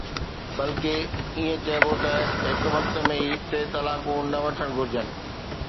بلڪه ائين چئبو ته هڪ وقت ۾ ٽي طلاقون نه وٺڻ گهرجن